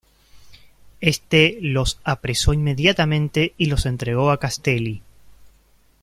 Este los apresó inmediatamente y los entregó a Castelli.